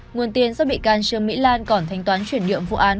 nguồn tiền do bị can trương mỹ lan còn thanh toán chuyển nhượng vụ án